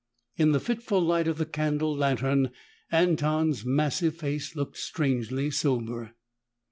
In the fitful light of the candle lantern, Anton's massive face looked strangely sober.